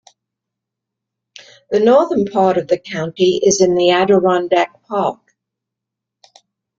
The northern part of the county is in the Adirondack Park.